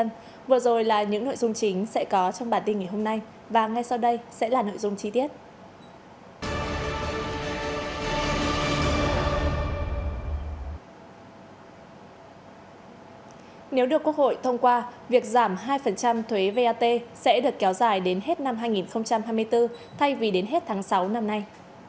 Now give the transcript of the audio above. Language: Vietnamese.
nếu được quốc hội thông qua việc giảm hai thuế vat sẽ được kéo dài đến hết năm hai nghìn hai mươi bốn thay vì đến hết tháng sáu năm nay